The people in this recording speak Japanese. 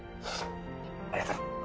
ありがとうな。